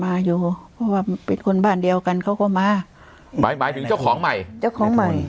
มาอยู่เพราะว่าเป็นคนบ้านเดียวกันเขาก็มาหมายหมายถึงเจ้าของใหม่เจ้าของใหม่